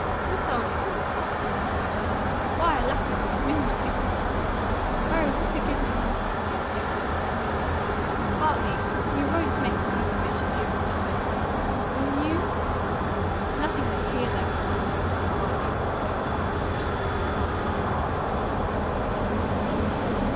"What old fool?" faltered Marcia. "Why, Lapham the mineral paint man." "Oh, what a good man!" sighed Marcia from the bottom of her soul. "Bartley! you WON'T make fun of him as you do of some of those people? WILL you?" "Nothing that HE'LL ever find out," said Bartley, getting up and brushing off the carpet lint from his knees.